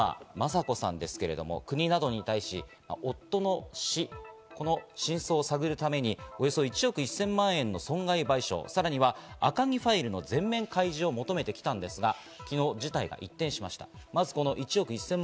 赤木さんの妻・雅子さんですけれども、国などに対し、夫の死、この真相を探るためにおよそ１億１０００万円の損害賠償、さらには赤木ファイルの全面開示を求めてきたんですが昨日、事態が一転しました。